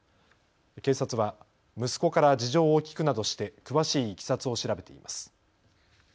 警察は息子から事情を聞くなどして詳しいいきさつを調べています。